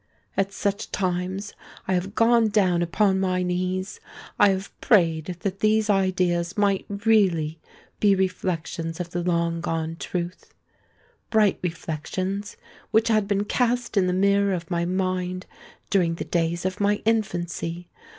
At such times, I have gone down upon my knees—I have prayed that these ideas might really be reflections of the long gone truth,—bright reflections which had been cast in the mirror of my mind during the days of my infancy!